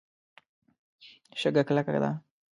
شګه کلکه ده.